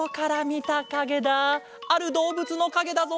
あるどうぶつのかげだぞ。